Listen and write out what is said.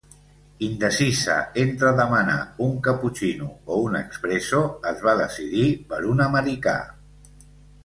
Indecisa entre demanar un caputxino o un expresso, es va decidir per un americà.